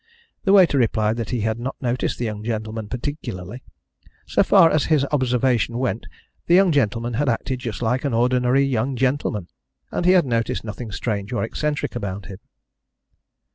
The waiter replied that he had not noticed the young gentleman particularly. So far as his observation went the young gentleman had acted just like an ordinary young gentleman, and he had noticed nothing strange or eccentric about him.